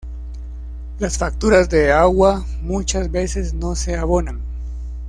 Las facturas de agua muchas veces no se abonan.